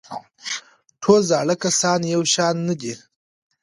ټول زاړه کسان یو شان نه دي.